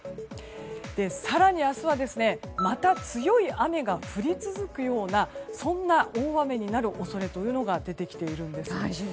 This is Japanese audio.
更に、明日はまた強い雨が降り続くような大雨になる恐れというのが出てきているんです。